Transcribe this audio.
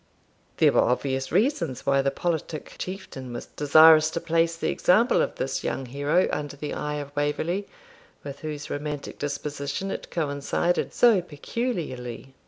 There were obvious reasons why the politic Chieftain was desirous to place the example of this young hero under the eye of Waverley, with whose romantic disposition it coincided so peculiarly.